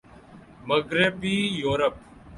مغربی یورپ